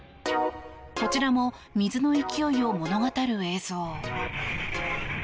こちらも水の勢いを物語る映像。